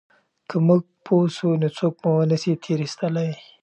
که موږ پوه سو نو څوک مو نه سي تېر ایستلای.